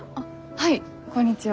はいこんにちは。